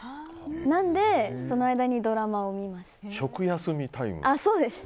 なので、その間にドラマを見ます。